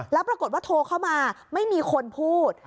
แล้วปรากฏว่าโทรเข้ามาไม่มีคนพูด